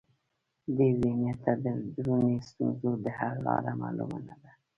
دې ذهنیت ته د دروني ستونزو د حل لاره معلومه نه ده.